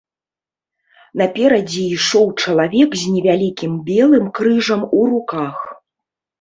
Наперадзе ішоў чалавек з невялікім белым крыжам у руках.